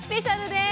です。